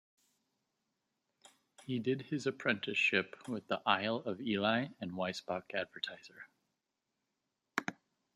He did his apprenticeship with the "Isle of Ely and Wisbech Advertiser".